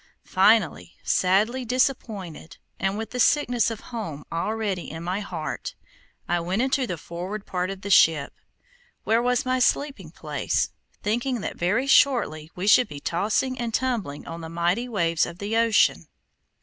Finally, sadly disappointed, and with the sickness of home already in my heart, I went into the forward part of the ship, where was my sleeping place, thinking that very shortly we should be tossing and tumbling on the mighty waves of the ocean.